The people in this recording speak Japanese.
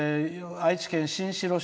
愛知県新城市。